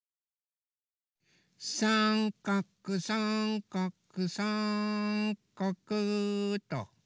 さんかくさんかくさんかくっと。